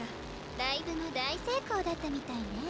ライブも大成功だったみたいね。